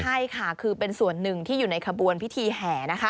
ใช่ค่ะคือเป็นส่วนหนึ่งที่อยู่ในขบวนพิธีแห่นะคะ